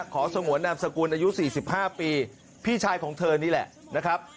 สงวนนามสกุลอายุ๔๕ปีพี่ชายของเธอนี่แหละนะครับ